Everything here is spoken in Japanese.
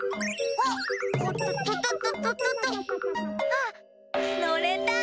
あっのれた！